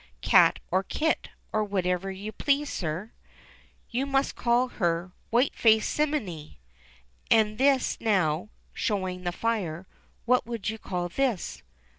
"Cat or kit, or whatever you please, sir." You must call her 'white faced simminy.' And this now," showing the fire, *'what would you call this